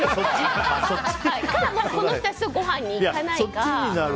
それか、この人たちとごはんに行かないか。